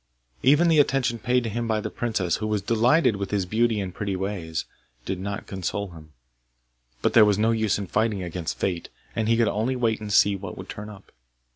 Even the attention paid him by the princess, who was delighted with his beauty and pretty ways, did not console him, but there was no use in fighting against fate, and he could only wait and see what would turn up.